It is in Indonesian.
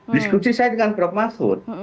diskusi saya dengan prof mahfud